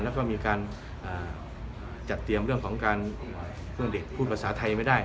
แล้วก็มีการจัดเตรียมเรื่องของการเพื่อเด็กพูดภาษาไทยไม่ได้